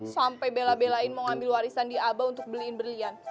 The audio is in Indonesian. sampai bela belain mau ngambil warisan di abah untuk beliin berlian